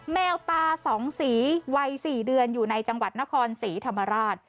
แมวตาสองสีวัย๔เดือนอยู่ในจังหวัดนครศรีธรรมราช